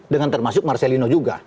dengan termasuk marcelino juga